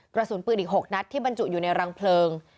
กระสุนปืนอีก๖นัดที่บรรจุอยู่ในรังเพลิง